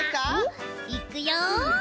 いくよ！